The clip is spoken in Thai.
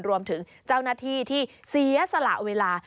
รวมถึงเจ้าหน้าที่ที่เสียสละเวลา